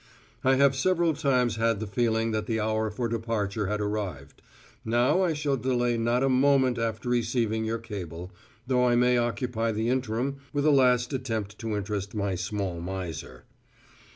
I have several times had the feeling that the hour for departure had arrived; now I shall delay not a moment after receiving your cable, though I may occupy the interim with a last attempt to interest my small miser.